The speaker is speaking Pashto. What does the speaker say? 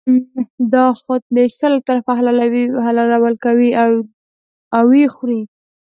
دا خو د شا له طرفه حلالول کوي او یې خوري.